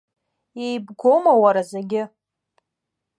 Иеибгоума, уара, зегьы?